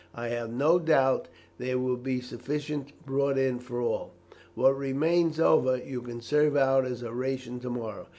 I have no doubt there will be sufficient brought in for all. What remains over, you can serve out as a ration to morrow.